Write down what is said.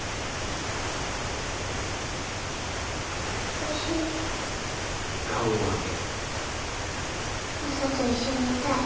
私マサと一緒にいたい。